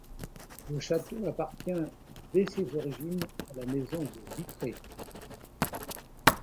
Le château appartient dès ses origines à la maison de Vitré.